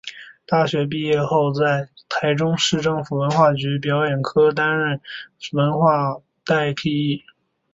大学毕业后在台中市政府文化局表演艺术科担任文化替代役。